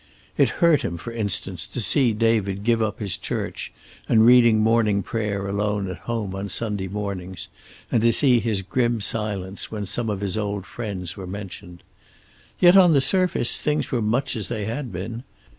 It hurt him, for instance, to see David give up his church, and reading morning prayer alone at home on Sunday mornings, and to see his grim silence when some of his old friends were mentioned. Yet on the surface things were much as they had been.